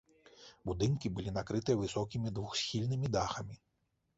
Будынкі былі накрытыя высокімі двухсхільнымі дахамі.